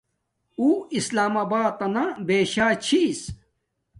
اُو اسلام آبات تنا بیشا چھس